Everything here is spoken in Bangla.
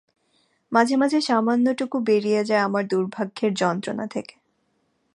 মাঝে মাঝে সামান্যটুকু বেরিয়ে যায় আমার দুর্ভাগ্যের যন্ত্রটা থেকে।